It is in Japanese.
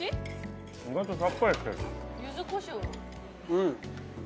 うん。